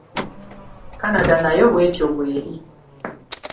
Canada nayo bw'etyo bw'eri.